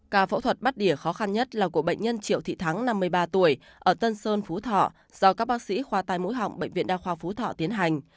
ca phẫu thuật bắt địa khó khăn nhất là của bệnh nhân triệu thị thắng năm mươi ba tuổi ở tân sơn phú thọ do các bác sĩ khoa tai mũi họng bệnh viện đa khoa phú thọ tiến hành